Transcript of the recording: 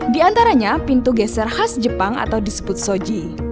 di antaranya pintu geser khas jepang atau disebut soji